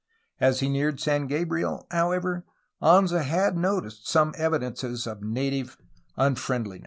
As he neared San Gabriel, however, Anza had noticed some evidences of native unfriend liness.